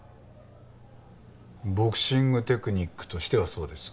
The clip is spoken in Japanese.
ボクシングテクニックとしてはそうです。